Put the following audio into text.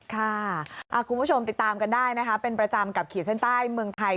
คุณผู้ชมติดตามกันได้นะคะเป็นประจำกับขีดเส้นใต้เมืองไทย